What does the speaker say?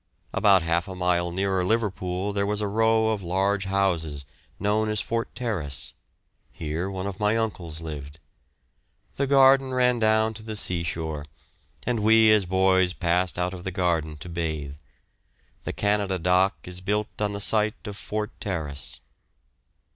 About half a mile nearer Liverpool there was a row of large houses, known as Fort Terrace; here one of my uncles lived. The garden ran down to the sea shore, and we as boys passed out of the garden to bathe. The Canada dock is built on the site of Fort Terrace.